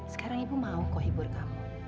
sekarang ibu mau kok hibur kamu